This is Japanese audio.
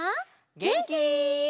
げんき？